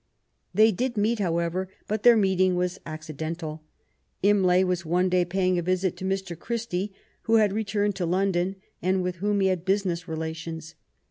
They did meet, however, but their meeting was ac cidental. Imlay was one day paying a visit to Mr. Christie, who had returned to London, and with whom he had business relations.